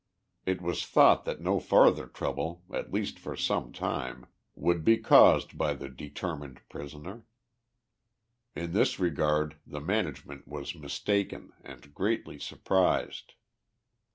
It was thought that no farther trouble, at least for some time, would be caused by the deter # mined prisoner In this regard the management was mistaken and greatly surprised.